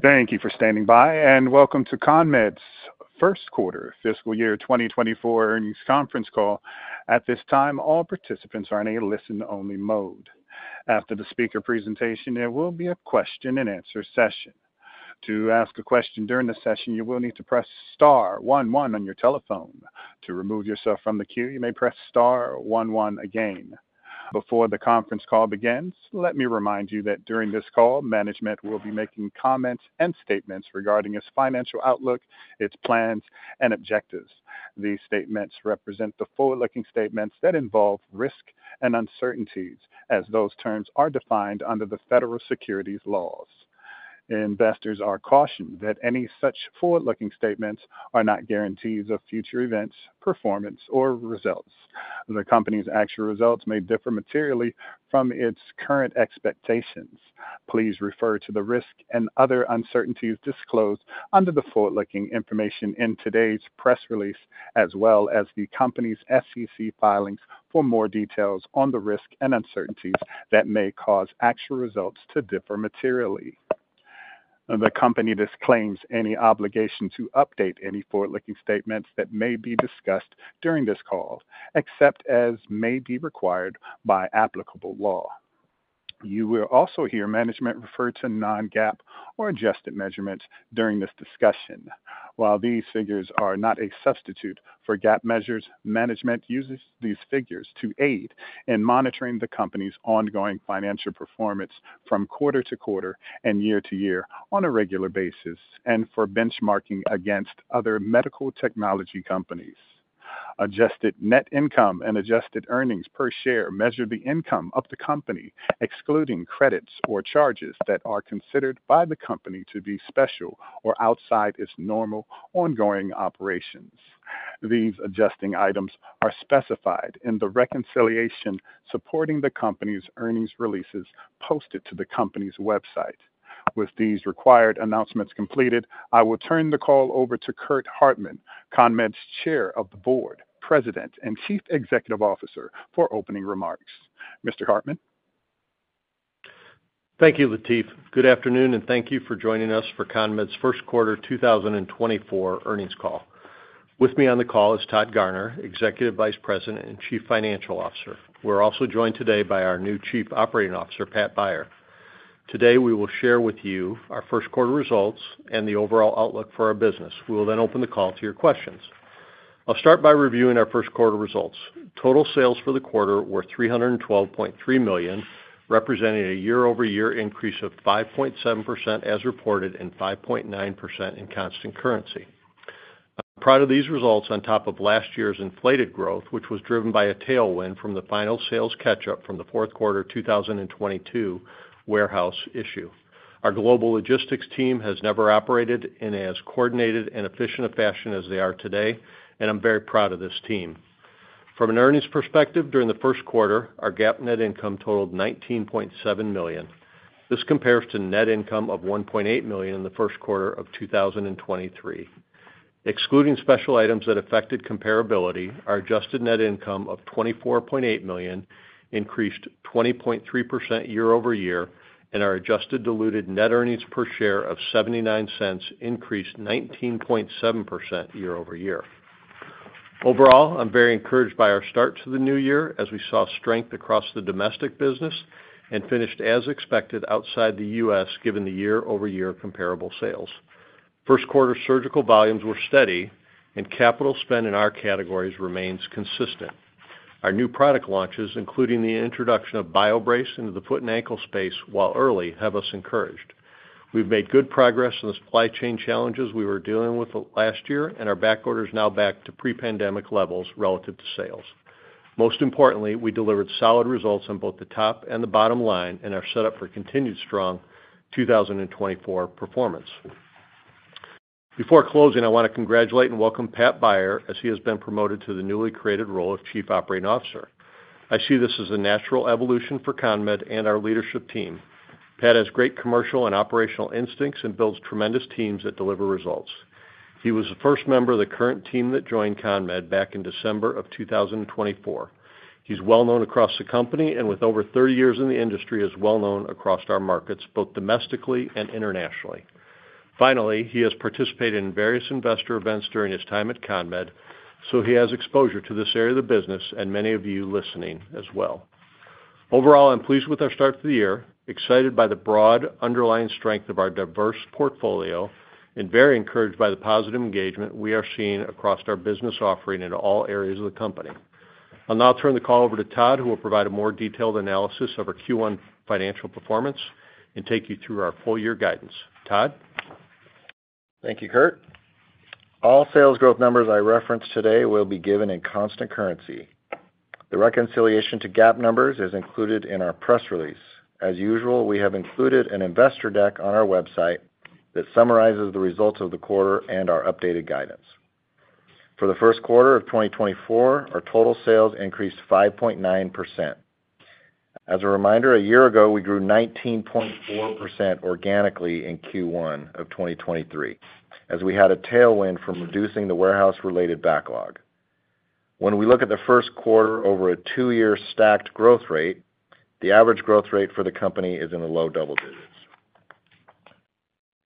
Thank you for standing by, and welcome to CONMED's first quarter fiscal year 2024 earnings conference call. At this time, all participants are in a listen-only mode. After the speaker presentation, there will be a question-and-answer session. To ask a question during the session, you will need to press star 11 on your telephone. To remove yourself from the queue, you may press star one one again. Before the conference call begins, let me remind you that during this call, management will be making comments and statements regarding its financial outlook, its plans, and objectives. These statements represent the forward-looking statements that involve risk and uncertainties, as those terms are defined under the federal securities laws. Investors are cautioned that any such forward-looking statements are not guarantees of future events, performance, or results. The company's actual results may differ materially from its current expectations. Please refer to the risks and other uncertainties disclosed under the forward-looking information in today's press release, as well as the company's SEC filings, for more details on the risks and uncertainties that may cause actual results to differ materially. The company disclaims any obligation to update any forward-looking statements that may be discussed during this call, except as may be required by applicable law. You will also hear management refer to non-GAAP or adjusted measurements during this discussion. While these figures are not a substitute for GAAP measures, management uses these figures to aid in monitoring the company's ongoing financial performance from quarter to quarter and year to year on a regular basis, and for benchmarking against other medical technology companies. Adjusted net income and adjusted earnings per share measure the income of the company, excluding credits or charges that are considered by the company to be special or outside its normal ongoing operations. These adjusting items are specified in the reconciliation supporting the company's earnings releases posted to the company's website. With these required announcements completed, I will turn the call over to Curt Hartman, CONMED's Chair of the Board, President, and Chief Executive Officer, for opening remarks. Mr. Hartman? Thank you, Latif. Good afternoon, and thank you for joining us for CONMED's first quarter 2024 earnings call. With me on the call is Todd Garner, Executive Vice President and Chief Financial Officer. We're also joined today by our new Chief Operating Officer, Pat Beyer. Today, we will share with you our first quarter results and the overall outlook for our business. We will then open the call to your questions. I'll start by reviewing our first quarter results. Total sales for the quarter were $312.3 million, representing a year-over-year increase of 5.7%, as reported, and 5.9% in constant currency. I'm proud of these results on top of last year's inflated growth, which was driven by a tailwind from the final sales catch-up from the fourth quarter 2022 warehouse issue. Our global logistics team has never operated in as coordinated and efficient a fashion as they are today, and I'm very proud of this team. From an earnings perspective, during the first quarter, our GAAP net income totaled $19.7 million. This compares to net income of $1.8 million in the first quarter of 2023. Excluding special items that affected comparability, our adjusted net income of $24.8 million increased 20.3% year-over-year, and our adjusted diluted net earnings per share of $0.79 increased 19.7% year-over-year. Overall, I'm very encouraged by our start to the new year, as we saw strength across the domestic business and finished as expected outside the U.S., given the year-over-year comparable sales. First quarter surgical volumes were steady, and capital spend in our categories remains consistent. Our new product launches, including the introduction of BioBrace into the foot and ankle space, while early, have us encouraged. We've made good progress in the supply chain challenges we were dealing with last year, and our backorder is now back to pre-pandemic levels relative to sales. Most importantly, we delivered solid results on both the top and the bottom line and are set up for continued strong 2024 performance. Before closing, I want to congratulate and welcome Pat Beyer, as he has been promoted to the newly created role of Chief Operating Officer. I see this as a natural evolution for CONMED and our leadership team. Pat has great commercial and operational instincts and builds tremendous teams that deliver results. He was the first member of the current team that joined CONMED back in December of 2024. He's well-known across the company and with over 30 years in the industry, is well-known across our markets, both domestically and internationally. Finally, he has participated in various investor events during his time at CONMED, so he has exposure to this area of the business and many of you listening as well. Overall, I'm pleased with our start to the year, excited by the broad underlying strength of our diverse portfolio, and very encouraged by the positive engagement we are seeing across our business offering in all areas of the company. I'll now turn the call over to Todd, who will provide a more detailed analysis of our Q1 financial performance and take you through our full year guidance. Todd? Thank you, Curt. All sales growth numbers I reference today will be given in constant currency. The reconciliation to GAAP numbers is included in our press release. As usual, we have included an investor deck on our website that summarizes the results of the quarter and our updated guidance. For the first quarter of 2024, our total sales increased 5.9%. As a reminder, a year ago, we grew 19.4% organically in Q1 of 2023, as we had a tailwind from reducing the warehouse-related backlog. When we look at the first quarter over a two-year stacked growth rate, the average growth rate for the company is in the low double digits.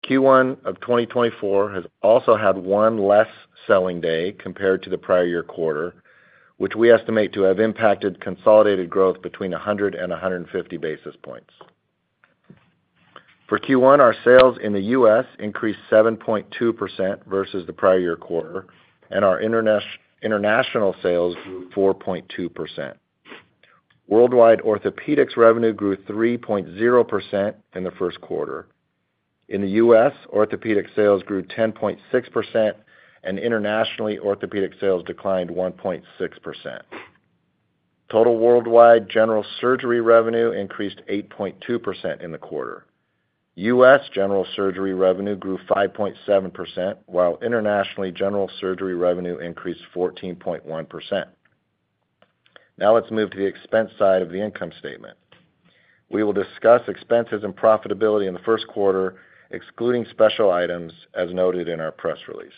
Q1 of 2024 has also had one less selling day compared to the prior year quarter, which we estimate to have impacted consolidated growth between 100 and 150 basis points. For Q1, our sales in the U.S. increased 7.2% versus the prior year quarter, and our international sales grew 4.2%. Worldwide orthopedics revenue grew 3.0% in the first quarter. In the U.S., orthopedic sales grew 10.6%, and internationally, orthopedic sales declined 1.6%. Total worldwide general surgery revenue increased 8.2% in the quarter. U.S. general surgery revenue grew 5.7%, while internationally, general surgery revenue increased 14.1%. Now let's move to the expense side of the income statement. We will discuss expenses and profitability in the first quarter, excluding special items, as noted in our press release.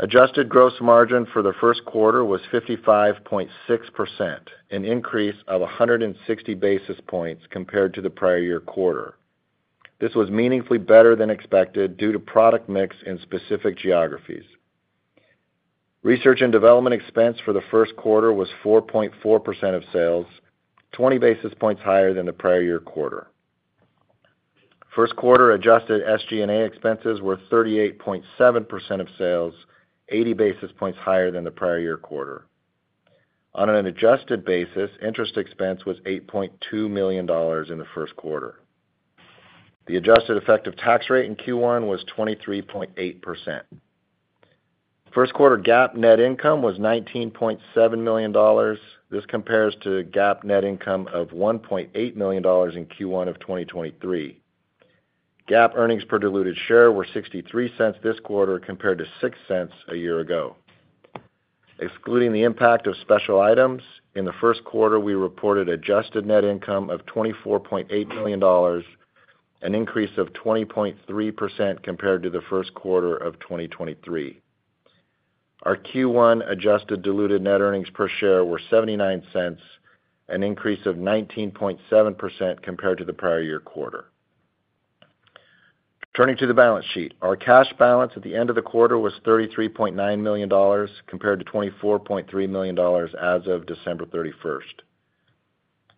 Adjusted gross margin for the first quarter was 55.6%, an increase of 160 basis points compared to the prior year quarter. This was meaningfully better than expected due to product mix in specific geographies. Research and development expense for the first quarter was 4.4% of sales, 20 basis points higher than the prior year quarter. First quarter adjusted SG&A expenses were 38.7% of sales, 80 basis points higher than the prior year quarter. On an adjusted basis, interest expense was $8.2 million in the first quarter. The adjusted effective tax rate in Q1 was 23.8%. First quarter GAAP net income was $19.7 million. This compares to GAAP net income of $1.8 million in Q1 of 2023. GAAP earnings per diluted share were $0.63 this quarter, compared to $0.06 a year ago. Excluding the impact of special items, in the first quarter, we reported adjusted net income of $24.8 million, an increase of 20.3% compared to the first quarter of 2023. Our Q1 adjusted diluted net earnings per share were $0.79, an increase of 19.7% compared to the prior year quarter. Turning to the balance sheet. Our cash balance at the end of the quarter was $33.9 million, compared to $24.3 million as of December 31st.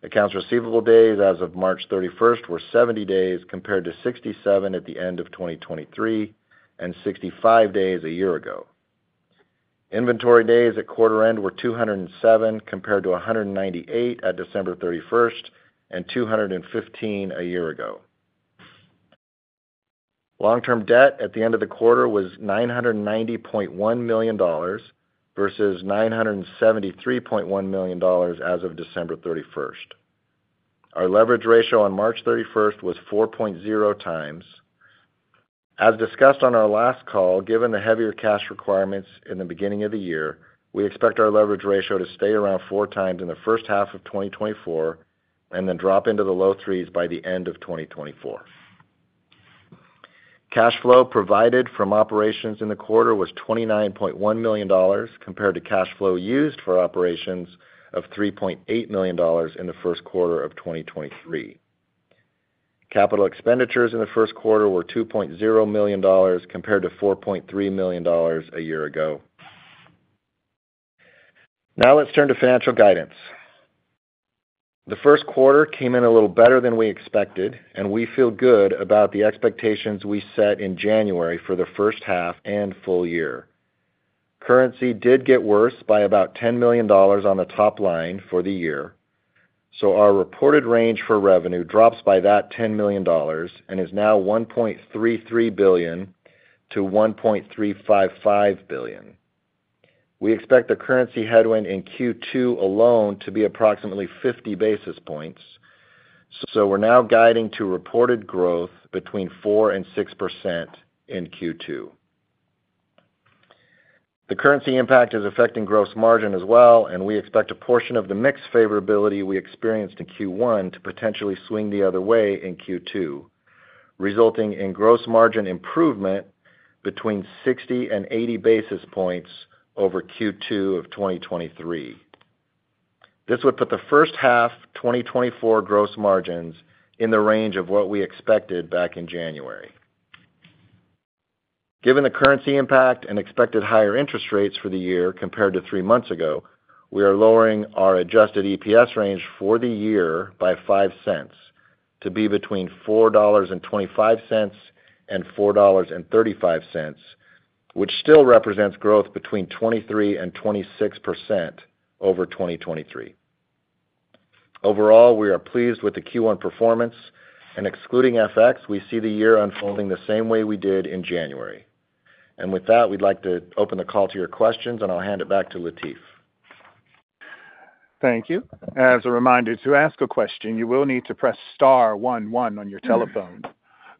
Accounts receivable days as of March 31st were 70 days, compared to 67 at the end of 2023, and 65 days a year ago. Inventory days at quarter end were 207, compared to 198 at December 31st, and 215 a year ago. Long-term debt at the end of the quarter was $990.1 million, versus $973.1 million as of December 31st. Our leverage ratio on March 31st was 4.0x. As discussed on our last call, given the heavier cash requirements in the beginning of the year, we expect our leverage ratio to stay around 4x in the first half of 2024, and then drop into the low threes by the end of 2024. Cash flow provided from operations in the quarter was $29.1 million, compared to cash flow used for operations of $3.8 million in the first quarter of 2023. Capital expenditures in the first quarter were $2.0 million, compared to $4.3 million a year ago. Now let's turn to financial guidance. The first quarter came in a little better than we expected, and we feel good about the expectations we set in January for the first half and full year. Currency did get worse by about $10 million on the top line for the year, so our reported range for revenue drops by that $10 million and is now $1.33 billion-$1.355 billion. We expect the currency headwind in Q2 alone to be approximately 50 basis points, so we're now guiding to reported growth between 4% and 6% in Q2. The currency impact is affecting gross margin as well, and we expect a portion of the mix favorability we experienced in Q1 to potentially swing the other way in Q2, resulting in gross margin improvement between 60-80 basis points over Q2 of 2023. This would put the first half 2024 gross margins in the range of what we expected back in January. Given the currency impact and expected higher interest rates for the year compared to three months ago, we are lowering our adjusted EPS range for the year by $0.05, to be between $4.25 and $4.35, which still represents growth between 23% and 26% over 2023. Overall, we are pleased with the Q1 performance, and excluding FX, we see the year unfolding the same way we did in January. With that, we'd like to open the call to your questions, and I'll hand it back to Latif. Thank you. As a reminder, to ask a question, you will need to press star one one on your telephone.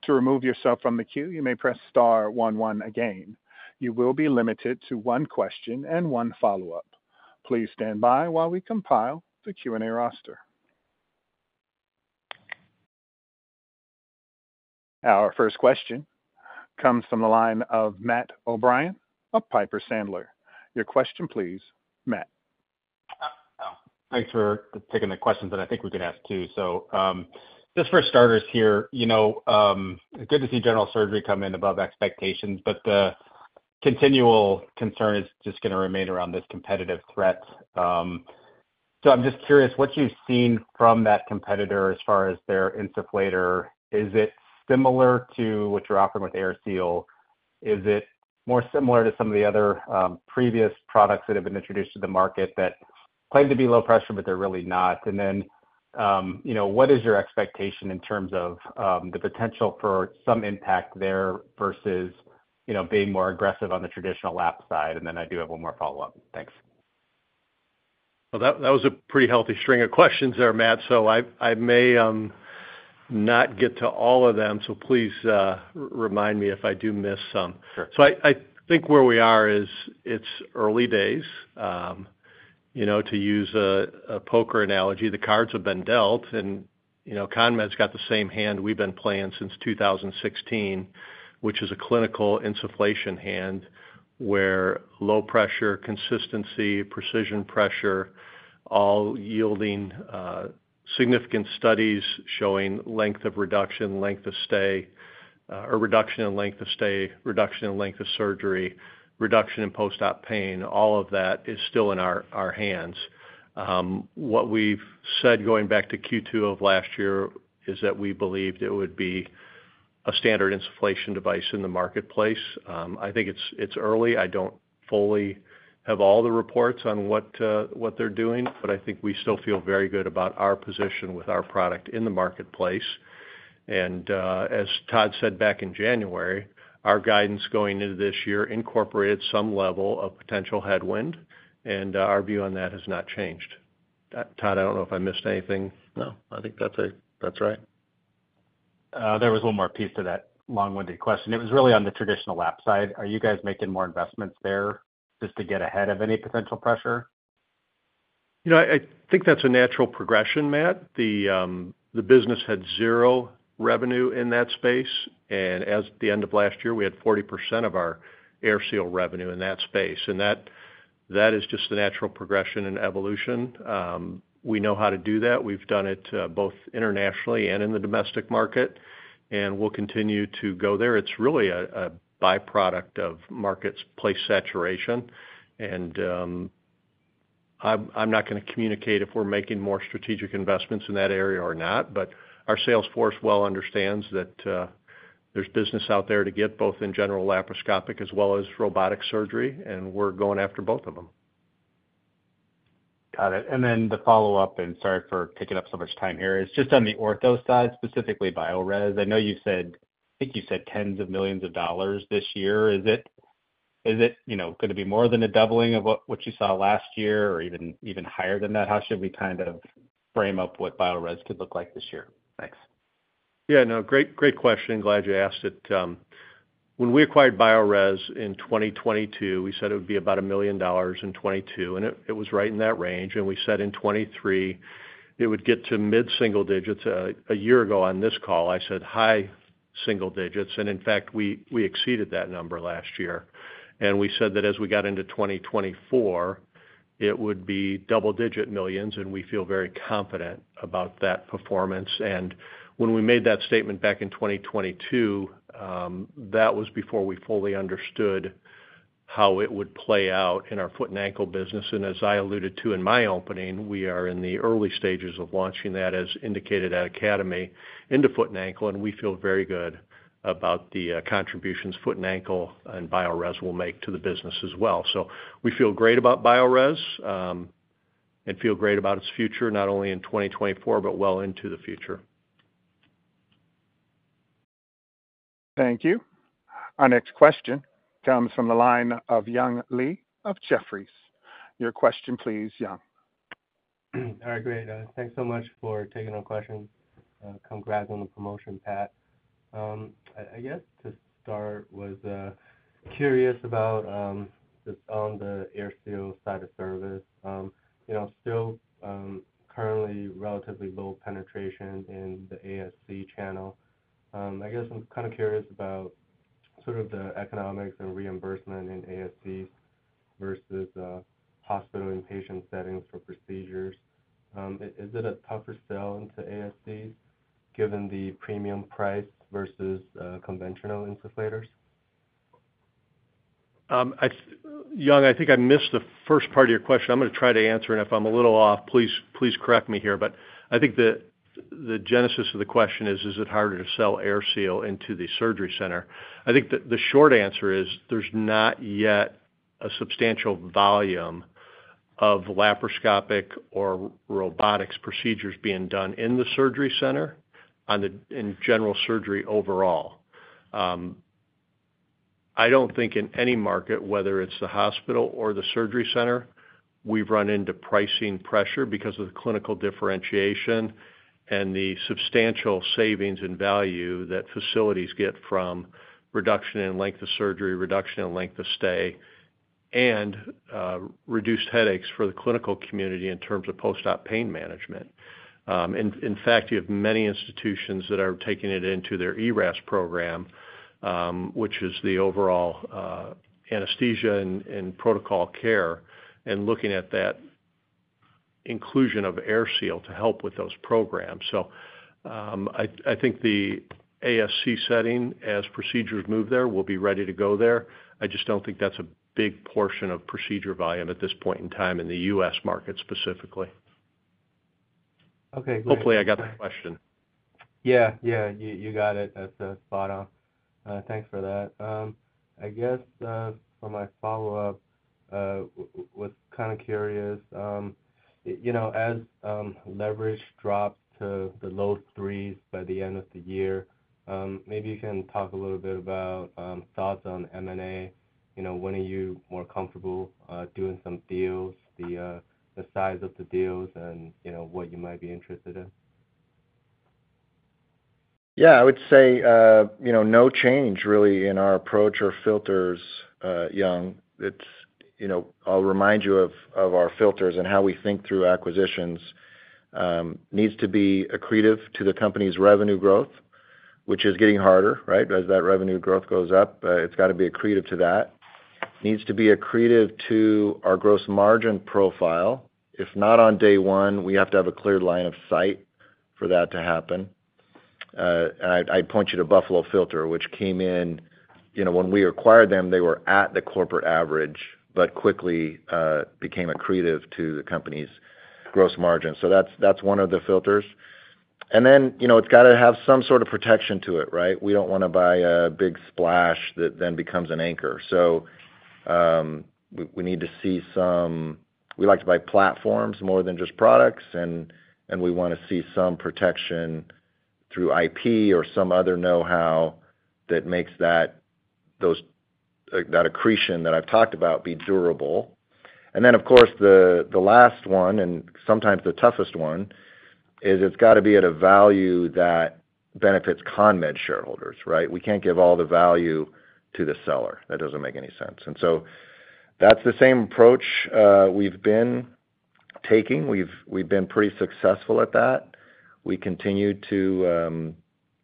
To remove yourself from the queue, you may press star one one again. You will be limited to one question and one follow-up. Please stand by while we compile the Q&A roster. Our first question comes from the line of Matt O'Brien of Piper Sandler. Your question, please, Matt. Thanks for taking the questions, and I think we could ask two. So, just for starters here, you know, good to see general surgery come in above expectations, but the continual concern is just going to remain around this competitive threat. So I'm just curious what you've seen from that competitor as far as their insufflator. Is it similar to what you're offering with AirSeal? Is it more similar to some of the other, previous products that have been introduced to the market that claim to be low pressure, but they're really not? And then, you know, what is your expectation in terms of, the potential for some impact there versus, you know, being more aggressive on the traditional lap side? And then I do have one more follow-up. Thanks. Well, that was a pretty healthy string of questions there, Matt, so I may not get to all of them, so please remind me if I do miss some. Sure. So I think where we are is, it's early days. You know, to use a poker analogy, the cards have been dealt and, you know, CONMED's got the same hand we've been playing since 2016, which is a clinical insufflation hand, where low pressure, consistency, precision pressure, all yielding significant studies showing length of reduction, length of stay, or reduction in length of stay, reduction in length of surgery, reduction in post-op pain. All of that is still in our hands. What we've said, going back to Q2 of last year, is that we believed it would be a standard insufflation device in the marketplace. I think it's early. I don't fully have all the reports on what, what they're doing, but I think we still feel very good about our position with our product in the marketplace. And, as Todd said back in January, our guidance going into this year incorporated some level of potential headwind, and, our view on that has not changed. Todd, I don't know if I missed anything. No, I think that's... That's right. There was one more piece to that long-winded question. It was really on the traditional lap side. Are you guys making more investments there just to get ahead of any potential pressure? You know, I think that's a natural progression, Matt. The business had zero revenue in that space, and at the end of last year, we had 40% of our AirSeal revenue in that space, and that is just the natural progression and evolution. We know how to do that. We've done it both internationally and in the domestic market, and we'll continue to go there. It's really a by-product of marketplace saturation, and I'm not going to communicate if we're making more strategic investments in that area or not, but our sales force well understands that there's business out there to get, both in general laparoscopic as well as robotic surgery, and we're going after both of them. Got it. And then the follow-up, and sorry for taking up so much time here, is just on the ortho side, specifically Biorez. I know you said, I think you said tens of millions of dollars this year. Is it, is it, you know, going to be more than a doubling of what, what you saw last year or even, even higher than that? How should we kind of frame up what Biorez could look like this year? Thanks. Yeah, no, great, great question. Glad you asked it. When we acquired Biorez in 2022, we said it would be about $1 million in 2022, and it, it was right in that range. And we said in 2023, it would get to mid-single digits. A year ago on this call, I said high single digits, and in fact, we, we exceeded that number last year. And we said that as we got into 2024, it would be double-digit millions, and we feel very confident about that performance. And when we made that statement back in 2022, that was before we fully understood how it would play out in our foot and ankle business. As I alluded to in my opening, we are in the early stages of launching that, as indicated at Academy, into foot and ankle, and we feel very good about the contributions foot and ankle and Biorez will make to the business as well. We feel great about Biorez, and feel great about its future, not only in 2024, but well into the future. Thank you. Our next question comes from the line of Young Li of Jefferies. Your question please, Young. All right, great. Thanks so much for taking our question. Congrats on the promotion, Pat. I guess to start with, curious about just on the AirSeal side of service. You know, still currently relatively low penetration in the ASC channel. I guess I'm kind of curious about sort of the economics and reimbursement in ASC versus hospital and patient settings for procedures. Is it a tougher sell into ASCs, given the premium price versus conventional insufflators? Young, I think I missed the first part of your question. I'm going to try to answer, and if I'm a little off, please, please correct me here. But I think the genesis of the question is: Is it harder to sell AirSeal into the surgery center? I think the short answer is there's not yet a substantial volume of laparoscopic or robotics procedures being done in the surgery center in general surgery overall. I don't think in any market, whether it's the hospital or the surgery center, we've run into pricing pressure because of the clinical differentiation and the substantial savings and value that facilities get from reduction in length of surgery, reduction in length of stay... and reduced headaches for the clinical community in terms of post-op pain management. In fact, you have many institutions that are taking it into their ERAS program, which is the overall anesthesia and protocol care, and looking at that inclusion of AirSeal to help with those programs. So, I think the ASC setting, as procedures move there, we'll be ready to go there. I just don't think that's a big portion of procedure volume at this point in time in the U.S. market, specifically. Okay, great. Hopefully, I got the question. Yeah, yeah, you, you got it. That's spot on. Thanks for that. I guess for my follow-up, was kind of curious, you know, as leverage drops to the low threes by the end of the year, maybe you can talk a little bit about thoughts on M&A. You know, when are you more comfortable doing some deals, the size of the deals and, you know, what you might be interested in? Yeah, I would say, you know, no change really in our approach or filters, Young. It's, you know, I'll remind you of our filters and how we think through acquisitions. Needs to be accretive to the company's revenue growth, which is getting harder, right? As that revenue growth goes up, it's got to be accretive to that. Needs to be accretive to our gross margin profile. If not on day one, we have to have a clear line of sight for that to happen. And I'd point you to Buffalo Filter, which came in. You know, when we acquired them, they were at the corporate average, but quickly became accretive to the company's gross margin. So that's one of the filters. And then, you know, it's got to have some sort of protection to it, right? We don't want to buy a big splash that then becomes an anchor. So, we need to see some—we like to buy platforms more than just products, and we want to see some protection through IP or some other know-how that makes that, those, like, that accretion that I've talked about, be durable. And then, of course, the last one, and sometimes the toughest one, is it's got to be at a value that benefits CONMED shareholders, right? We can't give all the value to the seller. That doesn't make any sense. And so that's the same approach we've been taking. We've been pretty successful at that. We continue to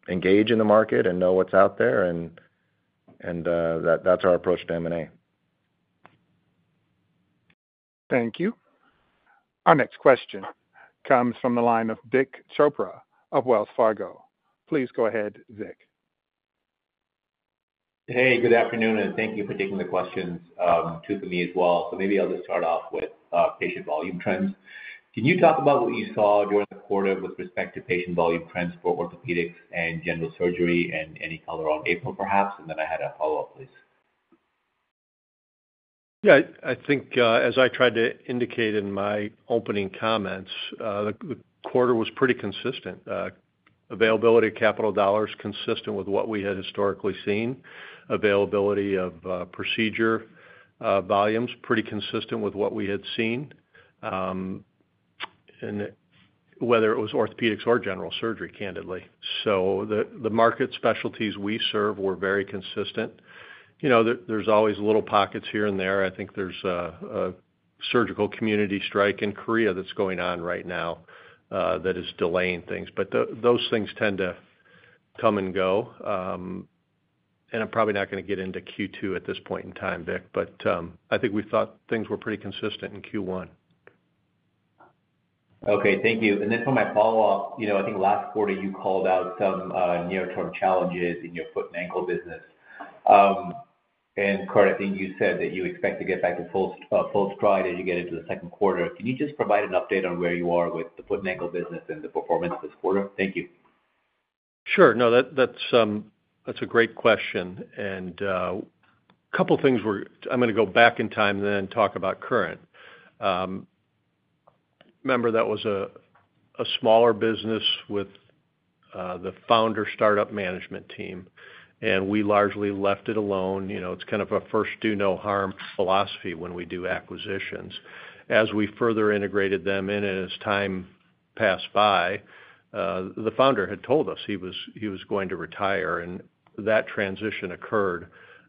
engage in the market and know what's out there, and that's our approach to M&A. Thank you. Our next question comes from the line of Vik Chopra of Wells Fargo. Please go ahead, Vik. Hey, good afternoon, and thank you for taking the questions, two from me as well. So maybe I'll just start off with patient volume trends. Can you talk about what you saw during the quarter with respect to patient volume trends for orthopedics and general surgery, and any color on April, perhaps? And then I had a follow-up, please. Yeah, I think, as I tried to indicate in my opening comments, the quarter was pretty consistent. Availability of capital dollars, consistent with what we had historically seen. Availability of procedure volumes, pretty consistent with what we had seen, and whether it was orthopedics or general surgery, candidly. So the market specialties we serve were very consistent. You know, there's always little pockets here and there. I think there's a surgical community strike in Korea that's going on right now, that is delaying things. But those things tend to come and go. And I'm probably not going to get into Q2 at this point in time, Vik, but, I think we thought things were pretty consistent in Q1. Okay, thank you. And then for my follow-up, you know, I think last quarter, you called out some near-term challenges in your foot and ankle business. And Curt, I think you said that you expect to get back to full stride as you get into the second quarter. Can you just provide an update on where you are with the foot and ankle business and the performance this quarter? Thank you. Sure. No, that's a great question, and couple things. I'm going to go back in time then talk about current. Remember, that was a smaller business with the founder startup management team, and we largely left it alone. You know, it's kind of a first do no harm philosophy when we do acquisitions. As we further integrated them in and as time passed by, the founder had told us he was going to retire, and that transition occurred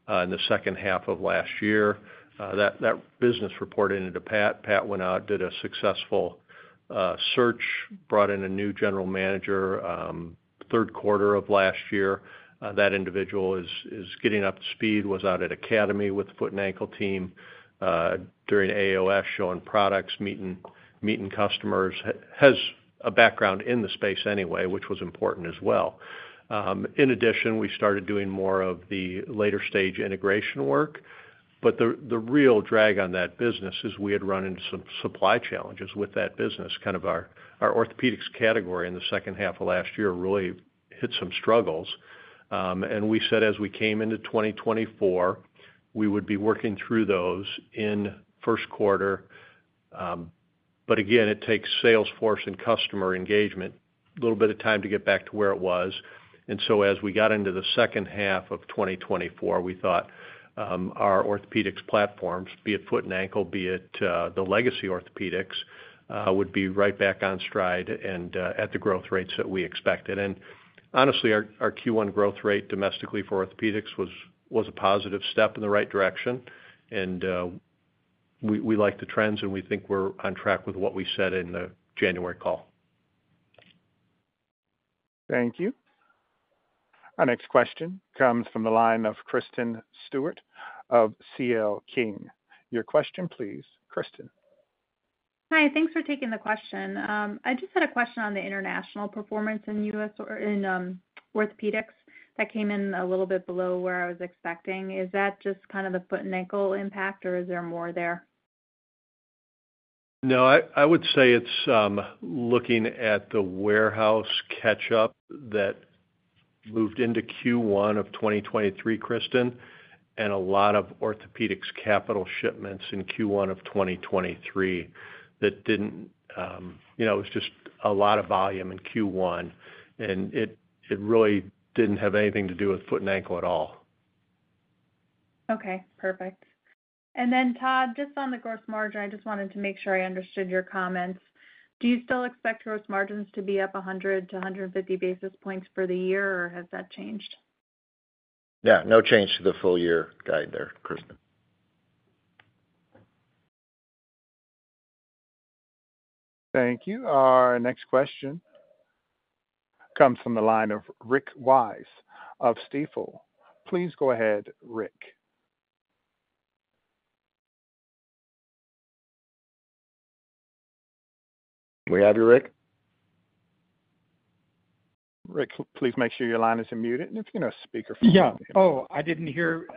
in the second half of last year. That business reported into Pat. Pat went out, did a successful search, brought in a new general manager, third quarter of last year. That individual is getting up to speed, was out at Academy with the foot and ankle team during AAOS, showing products, meeting customers. Has a background in the space anyway, which was important as well. In addition, we started doing more of the later stage integration work, but the real drag on that business is we had run into some supply challenges with that business. Kind of our orthopedics category in the second half of last year really hit some struggles. We said as we came into 2024, we would be working through those in first quarter. But again, it takes sales force and customer engagement a little bit of time to get back to where it was. And so as we got into the second half of 2024, we thought our orthopedics platforms, be it foot and ankle, be it the legacy orthopedics, would be right back on stride and at the growth rates that we expected. And honestly, our Q1 growth rate domestically for orthopedics was a positive step in the right direction, and we like the trends, and we think we're on track with what we said in the January call. Thank you. Our next question comes from the line of Kristen Stewart of CL King. Your question, please, Kristen. Hi, thanks for taking the question. I just had a question on the international performance in U.S. or in orthopedics that came in a little bit below where I was expecting. Is that just kind of the foot and ankle impact, or is there more there? No, I, I would say it's looking at the warehouse catch-up that moved into Q1 of 2023, Kristen, and a lot of orthopedics capital shipments in Q1 of 2023, that didn't, you know, it was just a lot of volume in Q1, and it, it really didn't have anything to do with foot and ankle at all. Okay, perfect. And then, Todd, just on the gross margin, I just wanted to make sure I understood your comments. Do you still expect gross margins to be up 100-150 basis points for the year, or has that changed? Yeah, no change to the full-year guide there, Kristen. Thank you. Our next question comes from the line of Rick Wise of Stifel. Please go ahead, Rick. Do we have you, Rick? Rick, please make sure your line isn't muted, and it's going to speakerphone. Yeah. Oh, I didn't hear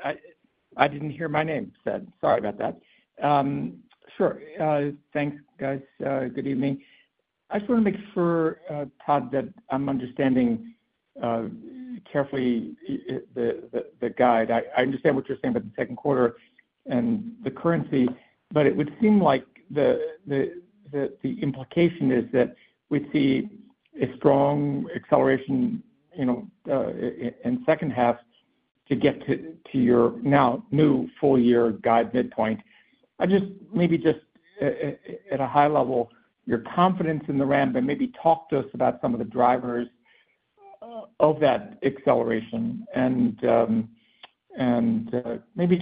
my name said. Sorry about that. Sure. Thanks, guys. Good evening. I just want to make sure, Todd, that I'm understanding carefully the guide. I understand what you're saying about the second quarter and the currency, but it would seem like the implication is that we see a strong acceleration, you know, in second half to get to your now new full-year guide midpoint. I just maybe at a high level your confidence in the ramp, and maybe talk to us about some of the drivers of that acceleration. And maybe,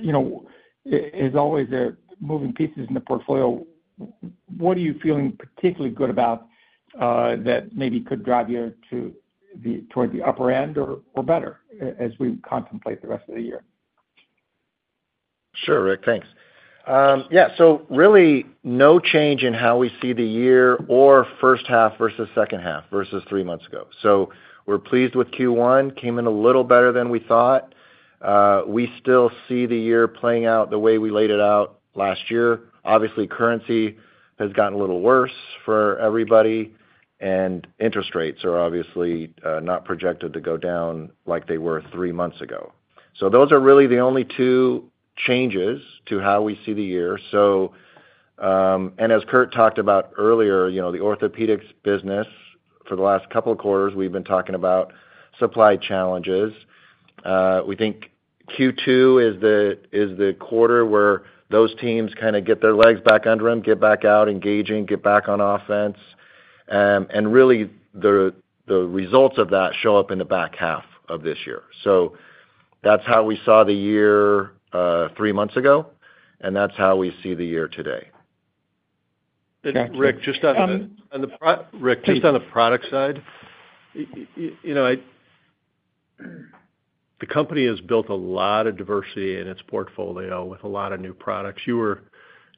you know, there is always moving pieces in the portfolio. What are you feeling particularly good about, that maybe could drive you to the, towards the upper end or better as we contemplate the rest of the year? Sure, Rick. Thanks. Yeah, so really no change in how we see the year or first half versus second half, versus three months ago. So we're pleased with Q1, came in a little better than we thought. We still see the year playing out the way we laid it out last year. Obviously, currency has gotten a little worse for everybody, and interest rates are obviously not projected to go down like they were three months ago. So those are really the only two changes to how we see the year. So, and as Curt talked about earlier, you know, the orthopedics business for the last couple of quarters, we've been talking about supply challenges. We think Q2 is the quarter where those teams kind of get their legs back under them, get back out, engaging, get back on offense. And really, the results of that show up in the back half of this year. So that's how we saw the year three months ago, and that's how we see the year today. Gotcha. Rick, just on the- Um- Rick, just on the product side, you know, I, the company has built a lot of diversity in its portfolio with a lot of new products. You were,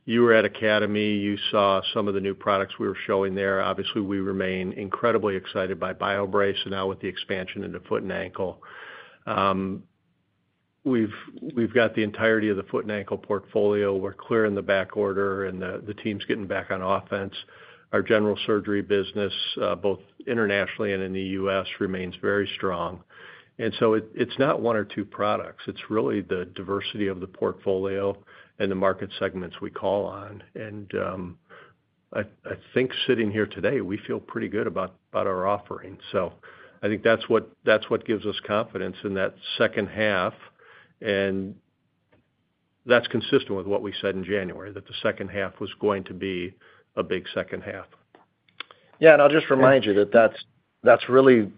you were at Academy. You saw some of the new products we were showing there. Obviously, we remain incredibly excited by BioBrace, and now with the expansion into foot and ankle. We've, we've got the entirety of the foot and ankle portfolio. We're clear in the back order, and the, the team's getting back on offense. Our general surgery business, both internationally and in the U.S., remains very strong. And so it, it's not one or two products, it's really the diversity of the portfolio and the market segments we call on. And, I, I think sitting here today, we feel pretty good about, about our offerings. So I think that's what, that's what gives us confidence in that second half, and that's consistent with what we said in January, that the second half was going to be a big second half. Yeah, and I'll just remind you that that's, that's really...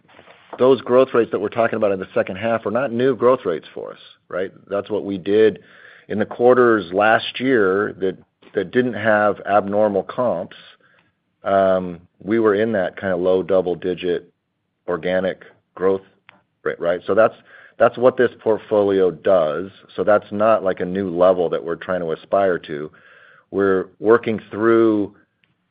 Those growth rates that we're talking about in the second half are not new growth rates for us, right? That's what we did in the quarters last year that, that didn't have abnormal comps. We were in that kind of low double-digit organic growth rate, right? So that's, that's what this portfolio does. So that's not like a new level that we're trying to aspire to. We're working through,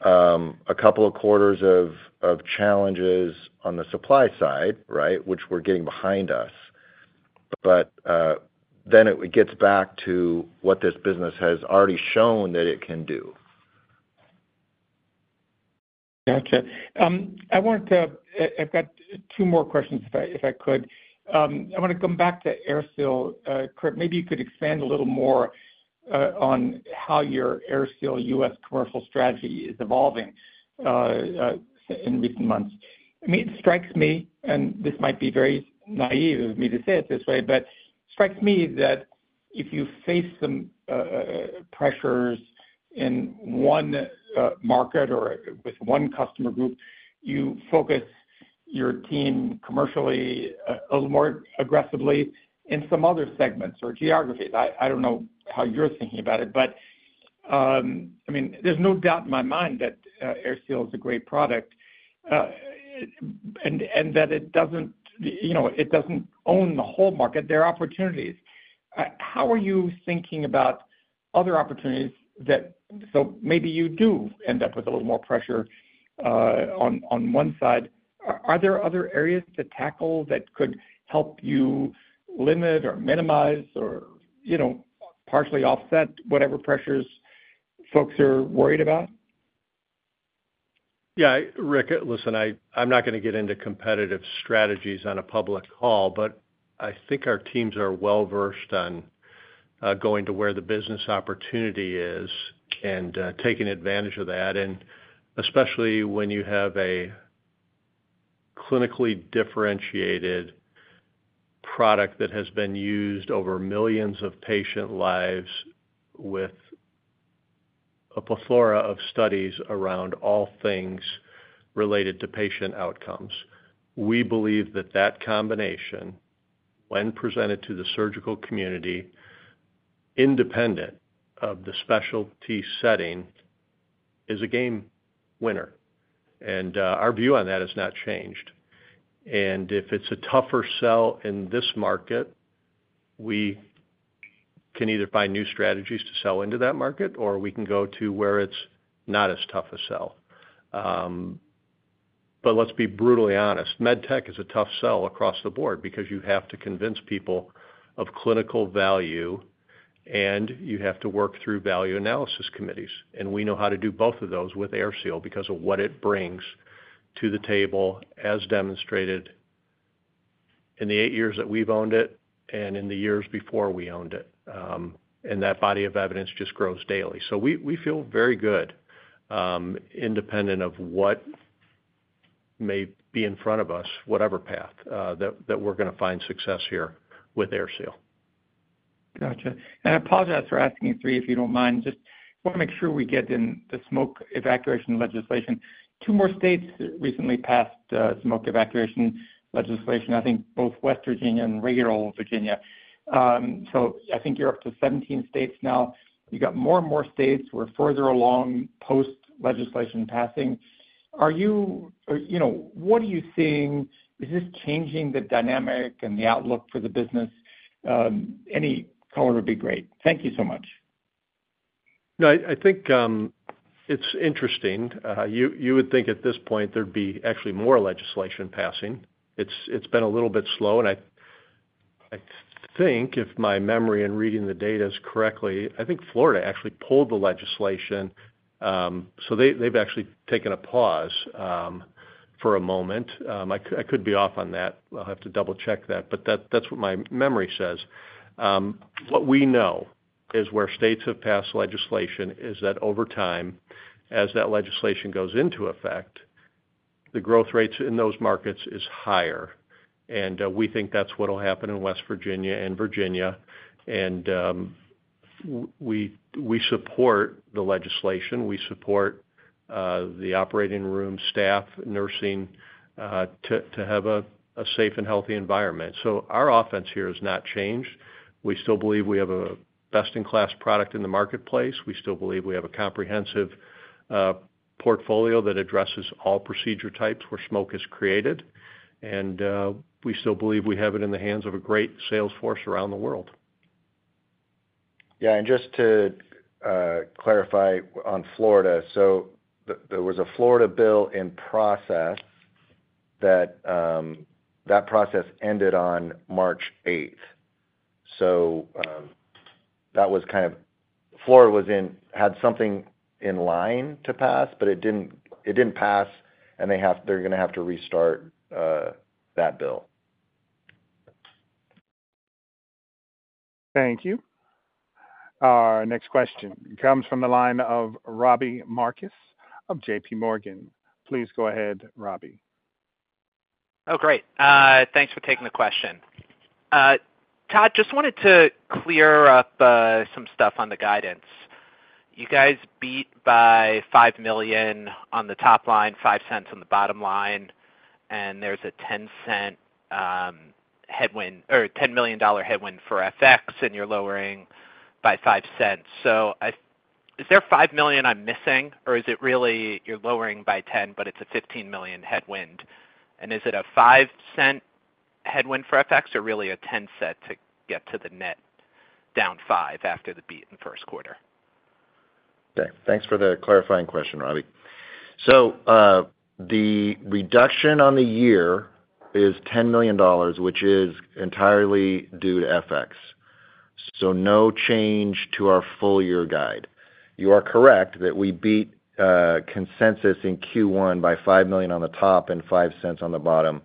a couple of quarters of, of challenges on the supply side, right? Which we're getting behind us. But then it gets back to what this business has already shown that it can do. Gotcha. I wanted to, I've got two more questions, if I, if I could. I want to come back to AirSeal. Curt, maybe you could expand a little more, on how your AirSeal US commercial strategy is evolving, in recent months. I mean, it strikes me, and this might be very naive of me to say it this way, but it strikes me that if you face some pressures in one market or with one customer group, you focus your team commercially, a little more aggressively in some other segments or geographies. I, I don't know how you're thinking about it, but, I mean, there's no doubt in my mind that AirSeal is a great product, and, and that it doesn't, you know, it doesn't own the whole market. There are opportunities. How are you thinking about other opportunities that—so maybe you do end up with a little more pressure on one side. Are there other areas to tackle that could help you limit or minimize or, you know, partially offset whatever pressures folks are worried about? Yeah, Rick, listen, I, I'm not going to get into competitive strategies on a public call, but I think our teams are well-versed on, going to where the business opportunity is and, taking advantage of that, and especially when you have a clinically differentiated product that has been used over millions of patient lives with a plethora of studies around all things related to patient outcomes. We believe that that combination, when presented to the surgical community, independent of the specialty setting, is a game winner, and, our view on that has not changed. And if it's a tougher sell in this market, we can either find new strategies to sell into that market, or we can go to where it's not as tough a sell. But let's be brutally honest, med tech is a tough sell across the board because you have to convince people of clinical value, and you have to work through value analysis committees. And we know how to do both of those with AirSeal because of what it brings to the table, as demonstrated in the eight years that we've owned it and in the years before we owned it. And that body of evidence just grows daily. So we, we feel very good, independent of what may be in front of us, whatever path, that we're going to find success here with AirSeal. Gotcha. And I apologize for asking you three, if you don't mind. Just want to make sure we get in the smoke evacuation legislation. Two more states recently passed smoke evacuation legislation, I think both West Virginia and regular old Virginia. So I think you're up to 17 states now. You've got more and more states who are further along post-legislation passing. Are you or, you know, what are you seeing? Is this changing the dynamic and the outlook for the business? Any color would be great. Thank you so much. No, I think it's interesting. You would think at this point there'd be actually more legislation passing. It's been a little bit slow, and I think, if my memory in reading the data is correctly, I think Florida actually pulled the legislation. So they've actually taken a pause for a moment. I could be off on that. I'll have to double-check that, but that's what my memory says. What we know is where states have passed legislation is that over time, as that legislation goes into effect, the growth rates in those markets is higher. And we think that's what will happen in West Virginia and Virginia, and we support the legislation. We support the operating room staff, nursing, to have a safe and healthy environment. So our offense here has not changed. We still believe we have a best-in-class product in the marketplace. We still believe we have a comprehensive portfolio that addresses all procedure types where smoke is created. And we still believe we have it in the hands of a great sales force around the world. Yeah, and just to clarify on Florida: there was a Florida bill in process that that process ended on March 8th. That was kind of... Florida had something in line to pass, but it didn't, it didn't pass, and they're going to have to restart that bill. Thank you. Our next question comes from the line of Robbie Marcus of JPMorgan. Please go ahead, Robbie. Oh, great. Thanks for taking the question. Todd, just wanted to clear up some stuff on the guidance. You guys beat by $5 million on the top line, $0.05 on the bottom line, and there's a $0.10 headwind, or $10 million headwind for FX, and you're lowering by $0.05. So is there $5 million I'm missing, or is it really you're lowering by $0.10, but it's a $15 million headwind? And is it a $0.05 headwind for FX or really a $0.10 to get to the net, down $0.05 after the beat in the first quarter? Okay. Thanks for the clarifying question, Robbie. So, the reduction on the year is $10 million, which is entirely due to FX. So no change to our full year guide. You are correct that we beat consensus in Q1 by $5 million on the top and $0.05 on the bottom.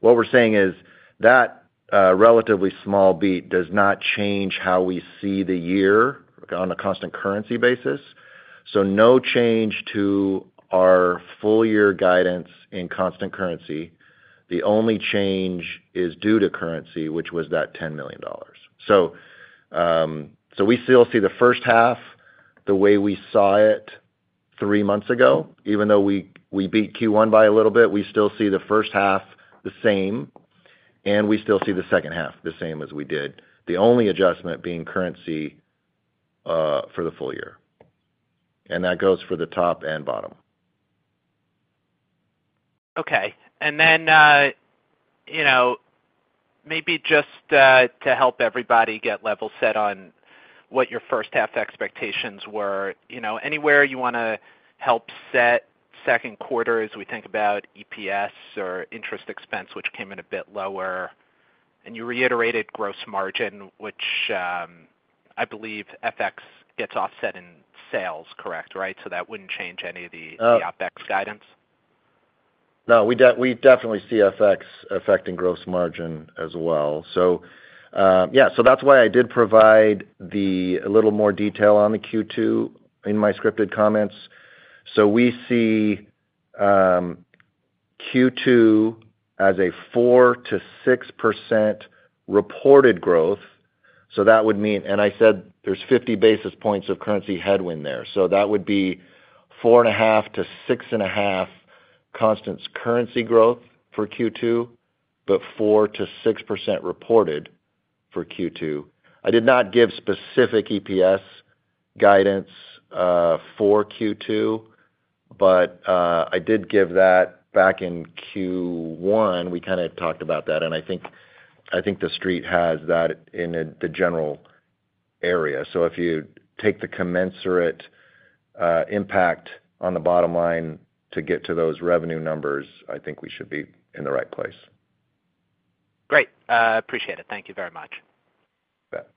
What we're saying is that relatively small beat does not change how we see the year on a constant currency basis. So no change to our full year guidance in constant currency. The only change is due to currency, which was that $10 million. So, we still see the first half the way we saw it three months ago, even though we beat Q1 by a little bit, we still see the first half the same, and we still see the second half the same as we did, the only adjustment being currency for the full year. And that goes for the top and bottom. Okay. And then, you know, maybe just to help everybody get level set on what your first half expectations were, you know, anywhere you wanna help set second quarter as we think about EPS or interest expense, which came in a bit lower, and you reiterated gross margin, which, I believe FX gets offset in sales, correct? Right, so that wouldn't change any of the OpEx guidance? No, we we definitely see FX affecting gross margin as well. So, yeah, so that's why I did provide the, a little more detail on the Q2 in my scripted comments. So we see, Q2 as a 4%-6% reported growth, so that would mean -- and I said there's 50 basis points of currency headwind there. So that would be 4.5-6.5 constant currency growth for Q2, but 4%-6% reported for Q2. I did not give specific EPS guidance, for Q2, but, I did give that back in Q1. We kind of talked about that, and I think, I think the street has that in the, the general area. So if you take the commensurate impact on the bottom line to get to those revenue numbers, I think we should be in the right place. Great. Appreciate it. Thank you very much. You bet.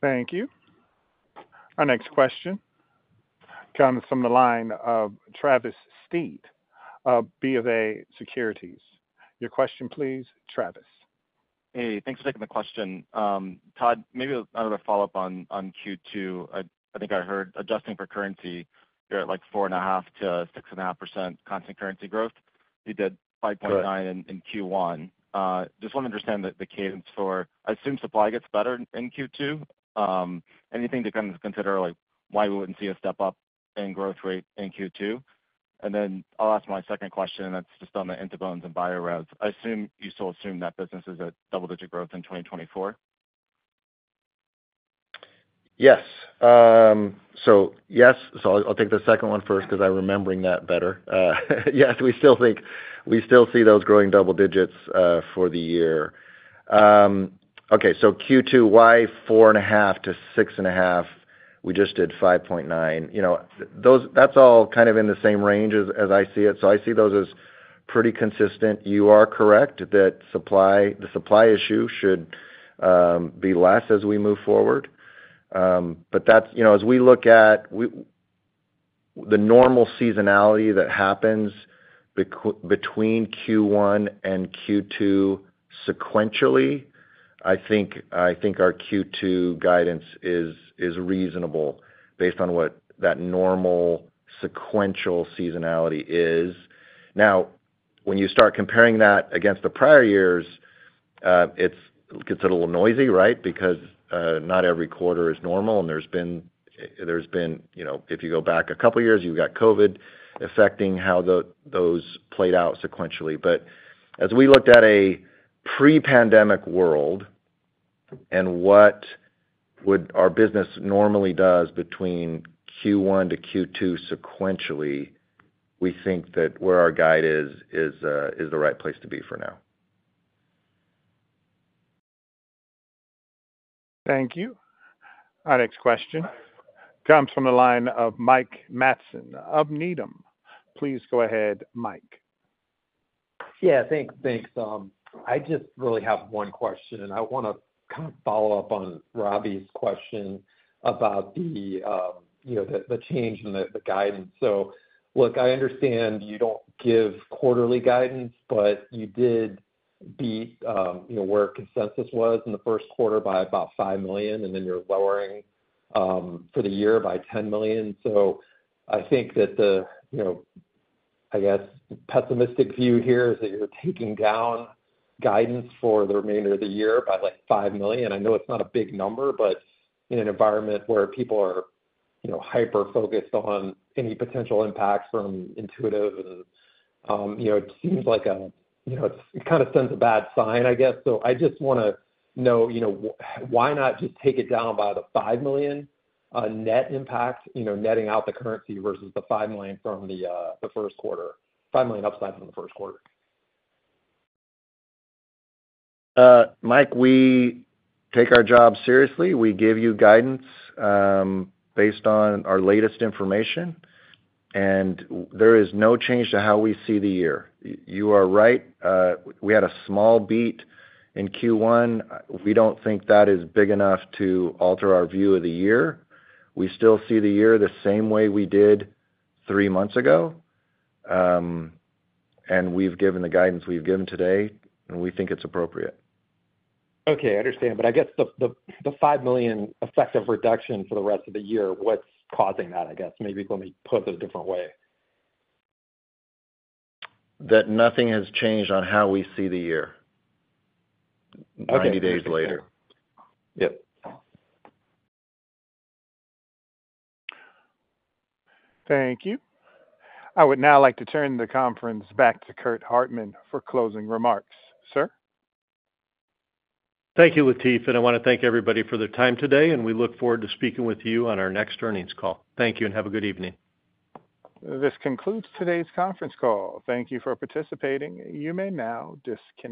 Thank you. Our next question comes from the line of Travis Steed of BofA Securities. Your question, please, Travis. Hey, thanks for taking the question. Todd, maybe another follow-up on Q2. I think I heard adjusting for currency, you're at, like, 4.5%-6.5% constant currency growth. You did 5.9 in Q1. Just want to understand the cadence for... I assume supply gets better in Q2. Anything to kind of consider, like, why we wouldn't see a step-up in growth rate in Q2? And then I'll ask my second question, and that's just on the In2Bones and Biorez. I assume you still assume that business is at double-digit growth in 2024? Yes. So yes, so I'll take the second one first, because I'm remembering that better. Yes, we still think we still see those growing double digits for the year. Okay, so Q2, why 4.5-6.5? We just did 5.9. You know, those, that's all kind of in the same range as I see it, so I see those as pretty consistent. You are correct that supply, the supply issue should be less as we move forward. But that's, you know, as we look at the normal seasonality that happens between Q1 and Q2 sequentially, I think our Q2 guidance is reasonable based on what that normal sequential seasonality is. Now, when you start comparing that against the prior years, it gets a little noisy, right? Because, not every quarter is normal, and there's been, you know, if you go back a couple of years, you've got COVID affecting how those played out sequentially. But as we looked at a pre-pandemic world and what would our business normally does between Q1 to Q2 sequentially, we think that where our guide is is the right place to be for now. Thank you. Our next question comes from the line of Mike Matson of Needham. Please go ahead, Mike. Yeah, thanks. Thanks, Tom. I just really have one question, and I wanna kind of follow up on Robbie's question about the, you know, the change in the guidance. So look, I understand you don't give quarterly guidance, but you did beat, you know, where consensus was in the first quarter by about $5 million, and then you're lowering for the year by $10 million. So I think that the, you know, I guess, pessimistic view here is that you're taking down guidance for the remainder of the year by, like, $5 million. I know it's not a big number, but in an environment where people are, you know, hyper-focused on any potential impacts from Intuitive, and, you know, it seems like, you know, it kind of sends a bad sign, I guess. So I just wanna know, you know, why not just take it down by the $5 million, net impact, you know, netting out the currency versus the $5 million from the first quarter, $5 million upside from the first quarter? Mike, we take our job seriously. We give you guidance, based on our latest information, and there is no change to how we see the year. You are right, we had a small beat in Q1. We don't think that is big enough to alter our view of the year. We still see the year the same way we did three months ago, and we've given the guidance we've given today, and we think it's appropriate. Okay, I understand, but I guess the $5 million effective reduction for the rest of the year, what's causing that, I guess? Maybe let me put it a different way. That nothing has changed on how we see the year- Okay.... 90 days later. Yep. Thank you. I would now like to turn the conference back to Curt Hartman for closing remarks. Sir? Thank you, Latif, and I want to thank everybody for their time today, and we look forward to speaking with you on our next earnings call. Thank you, and have a good evening. This concludes today's conference call. Thank you for participating. You may now disconnect.